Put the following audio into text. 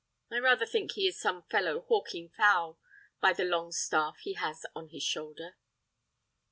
I rather think he is some fellow hawking fowl, by the long staff he has on his shoulder."